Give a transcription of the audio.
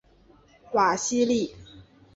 瓦西利。